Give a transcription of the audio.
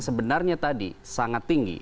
sebenarnya tadi sangat tinggi